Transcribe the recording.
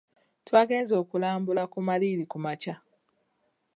Twagenze okulambula ku maliiri ku makya..